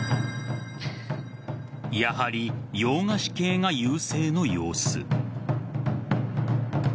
やはり洋菓子系が優勢の様子。